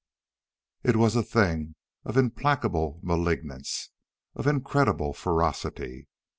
It was a thing of implacable malignance, of incredible ferocity.